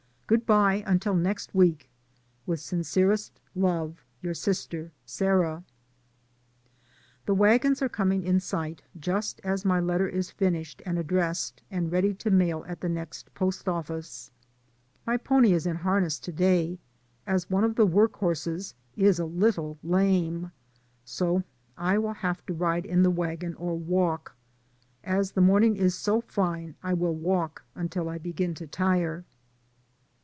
Good bye until next week. With sincerest love. Your sister, Sarah. The wagons are coming in sight, just as my letter is finished and addressed, and ready to mail at the next post office. My pony is 32 DAYS ON THE ROAD. t in harness to day, as one of the work horses is a little lame, so I will have to ride in the wagon or walk. As the morning is so fine I will walk until I begin to tire.